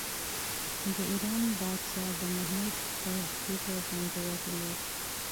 د ایران پادشاه د محمود په حيلو باندې وغولېد.